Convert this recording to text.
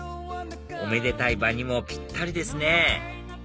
おめでたい場にもぴったりですね